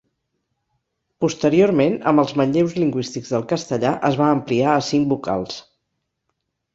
Posteriorment, amb els manlleus lingüístics del castellà, es va ampliar a cinc vocals.